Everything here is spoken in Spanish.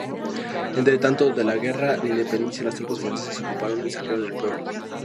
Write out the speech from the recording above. Entretanto, en la Guerra de Independencia las tropas francesas ocuparon y saquearon el pueblo.